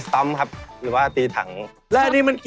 โชว์จากปริศนามหาสนุกหมายเลขหนึ่ง